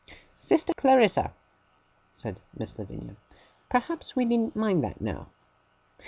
'Sister Clarissa,' said Miss Lavinia. 'Perhaps we needn't mind that now.